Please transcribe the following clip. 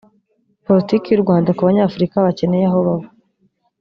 politiki y’u Rwanda ku Banyafurika bakeneye aho baba